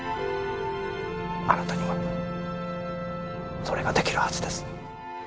あなたにはそれが出来るはずです。